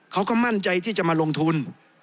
เขาก็มั่นใจที่จะมาลงทุน